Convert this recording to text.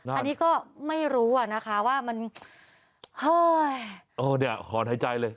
อันนี้ก็ไม่รู้อ่ะนะคะว่ามันเฮ้ยอ๋อเนี่ยหอนหายใจเลย